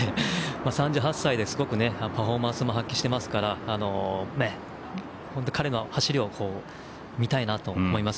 ３８歳でパフォーマンスも発揮してますから彼の走りを見たいなと思います。